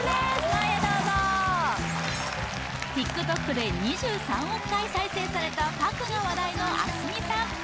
前へどうぞＴｉｋＴｏｋで２３億回再生された「ＰＡＫＵ」が話題のａｓｍｉさん